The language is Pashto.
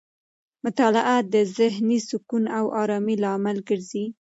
مطالعه د ذهني سکون او آرامۍ لامل ګرځي.